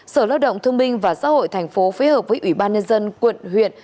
sở lao động thương minh và xã hội thành phố phối hợp với ủy ban nhân dân quận huyện